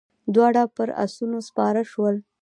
دواړه پر آسونو سپاره شول.